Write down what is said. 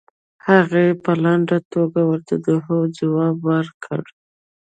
هغې په لنډه توګه ورته د هو ځواب ورکړ.